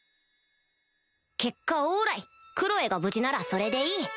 結果オーライクロエが無事ならそれでいい